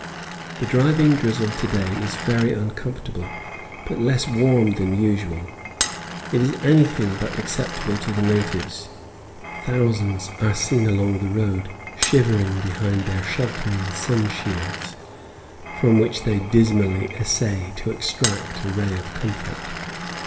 The driving drizzle to day is very uncomfortable, but less warm than usual; it is anything but acceptable to the natives; thousands are seen along the road, shivering behind their sheltering sun shields, from which they dismally essay to extract a ray of comfort.